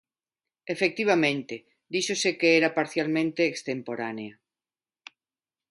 Efectivamente, díxose que era parcialmente extemporánea.